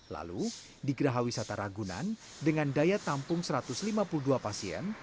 lalu di geraha wisata ragunan dengan daya tampung satu ratus lima puluh dua pasien